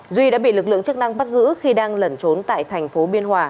duy đã bị lực lượng chức năng bắt giữ khi đang lẩn trốn tại thành phố biên hòa